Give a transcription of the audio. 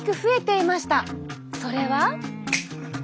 それは。